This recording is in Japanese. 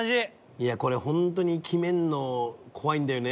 いやこれホントに決めるの怖いんだよね。